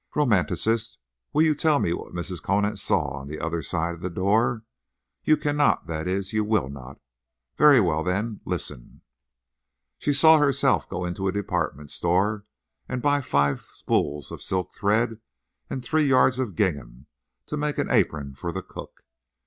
Romanticist, will you tell me what Mrs. Conant saw on the other side of the door? You cannot?—that is, you will not? Very well; then listen. _She saw herself go into a department store and buy five spools of silk thread and three yards of gingham to make an apron for the cook.